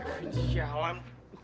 hahaha kevin sialan